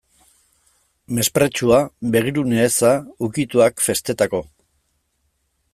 Mespretxua, begirune eza, ukituak, festetako.